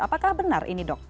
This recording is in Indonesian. apakah benar ini dok